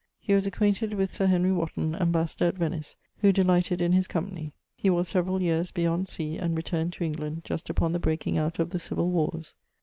He was acquainted with Sir Henry Wotton, ambassador at Venice, who delighted in his company. He was severall[XX.] yeares beyond sea, and returned to England just upon the breaking out of the civill warres.